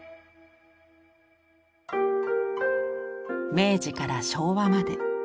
明治から昭和まで。